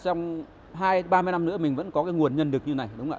trong hai ba mươi năm nữa mình vẫn có nguồn nhân lực như thế này